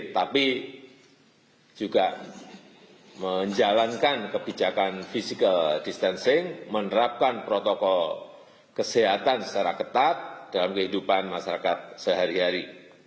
tapi juga menjalankan kebijakan physical distancing menerapkan protokol kesehatan secara ketat dalam kehidupan masyarakat sehari hari